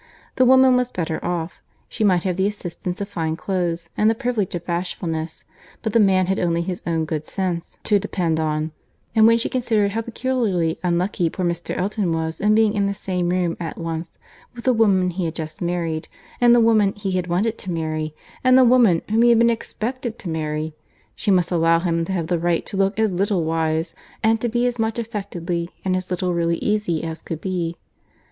The woman was better off; she might have the assistance of fine clothes, and the privilege of bashfulness, but the man had only his own good sense to depend on; and when she considered how peculiarly unlucky poor Mr. Elton was in being in the same room at once with the woman he had just married, the woman he had wanted to marry, and the woman whom he had been expected to marry, she must allow him to have the right to look as little wise, and to be as much affectedly, and as little really easy as could be.